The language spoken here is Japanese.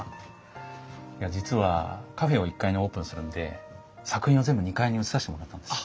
実はカフェを１階にオープンするんで作品を全部２階に移させてもらったんですよ。